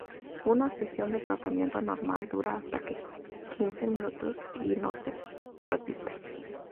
Una sesión de tratamiento normal dura hasta quince minutos, y no se repite.